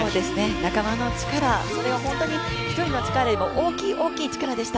仲間の力、それが本当に１人の力よりも大きい力でした。